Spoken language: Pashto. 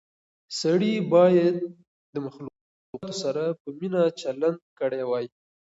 سړی باید د مخلوقاتو سره په مینه چلند کړی وای.